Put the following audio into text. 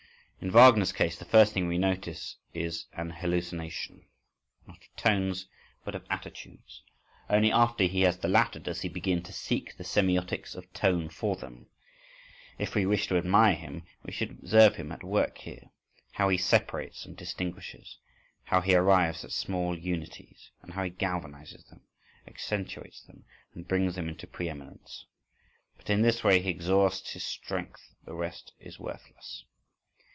In Wagner's case the first thing we notice is an hallucination, not of tones, but of attitudes. Only after he has the latter does he begin to seek the semiotics of tone for them. If we wish to admire him, we should observe him at work here: how he separates and distinguishes, how he arrives at small unities, and how he galvanises them, accentuates them, and brings them into pre eminence. But in this way he exhausts his strength the rest is worthless.